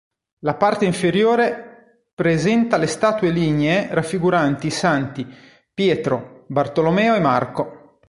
La parte inferiore presenta le statue lignee raffiguranti i santi Pietro, Bartolomeo e Marco.